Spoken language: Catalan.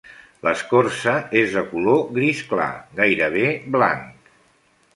L'escorça és de color gris clar, gairebé blanc.